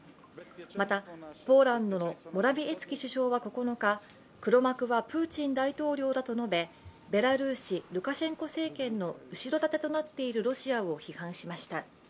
またポーランドのモラヴィエツキ首相は９日、黒幕はプーチン大統領だと述べ、ベラルーシ・ルカシェンコ政権の後ろ盾となっているロシアを批判しました。